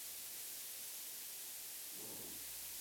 Con más obstáculos y velocidad en aumento.